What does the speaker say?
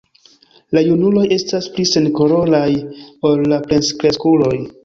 La junuloj estas pli senkoloraj ol la plenkreskuloj.